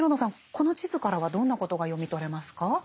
この地図からはどんなことが読み取れますか？